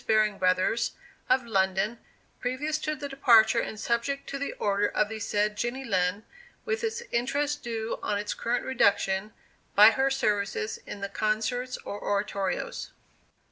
Baring Brothers, of London, previous to the departure and subject to the order of the said Jenny Lind, with its interest due on its current reduction, by her services in the concerts or oratorios.